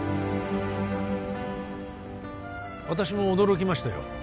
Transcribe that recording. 私も驚きましたよ